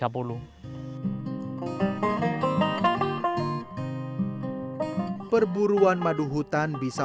perburuan madu hutan bisa